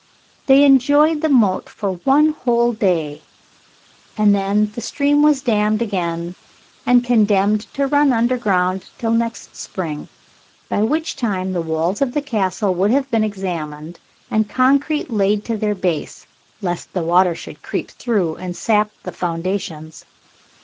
They enjoyed the moat for one whole day, and then the stream was dammed again and condemned to run underground till next spring, by which time the walls of the Castle would have been examined and concrete laid to their base, lest the water should creep through and sap the foundations.